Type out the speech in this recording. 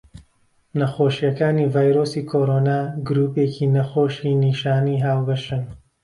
نەخۆشیەکانی ڤایرۆسی کۆڕۆنا گرووپێکی نەخۆشی نیشانەی هاوبەشن.